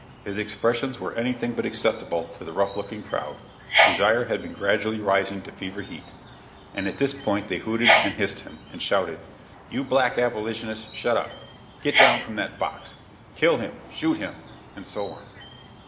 His expressions were anything but acceptable to the rough looking crowd, whose ire had been gradually rising to fever heat, and at this point they hooted and hissed him, and shouted, "You black abolitionist, shut up!" "Get down from that box!" "Kill him!" "Shoot him!" and so on.